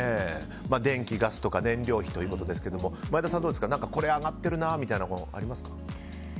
電気、ガスの燃料費ということですが前田さん、これ上がってるなみたいなものはありますか。